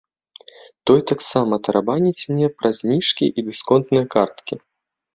Той таксама тарабаніць мне пра зніжкі і дысконтныя карткі.